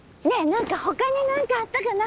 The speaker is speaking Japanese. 何かほかに何かあったかな？